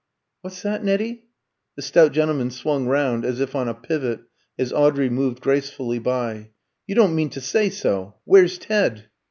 "What's that, Nettie?" (The stout gentleman swung round as if on a pivot, as Audrey moved gracefully by.) "You don't mean to say so? Where's Ted?"